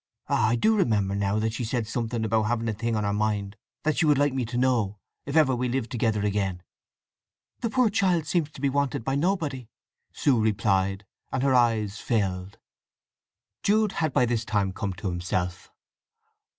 … Ah—I do remember now that she said something about having a thing on her mind that she would like me to know, if ever we lived together again." "The poor child seems to be wanted by nobody!" Sue replied, and her eyes filled. Jude had by this time come to himself.